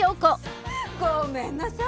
ごめんなさい。